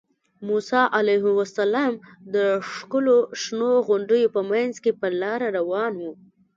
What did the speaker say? موسی علیه السلام د ښکلو شنو غونډیو په منځ کې پر لاره روان و.